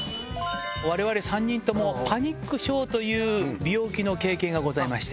われわれ３人とも、パニック症という病気の経験がございまして。